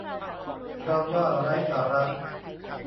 เราว่าไร้สาระ